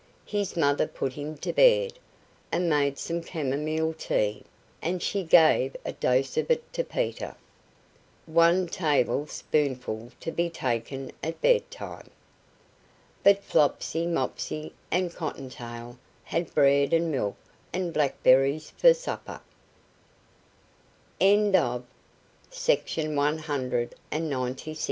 His mother put him to bed, and made some camomile tea; and she gave a dose of it to Peter! "One table spoonful to be taken at bed time." But Flopsy, Mopsy, and Cotton tail had bread and milk and blackberries for supper. THE MILLER, HIS SON, AND THEIR AS